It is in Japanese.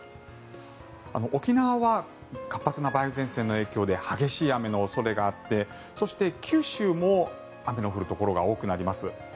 沖縄は活発な梅雨前線の影響で激しい雨の恐れがあってそして、九州も雨の降るところが多くなります。